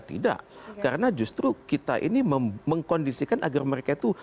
tidak karena justru kita ini mengkondisikan agar mereka itu